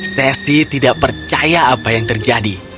sesi tidak percaya apa yang terjadi